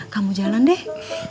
kamu jalan deh